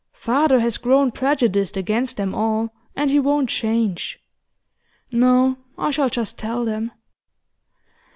Father has grown prejudiced against them all, and he won't change. No, I shall just tell them.